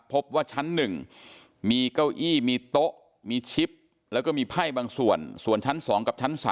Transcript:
พบว่าชั้น๑มีเก้าอี้มีโต๊ะมีชิปแล้วก็มีไพ่บางส่วนส่วนชั้น๒กับชั้น๓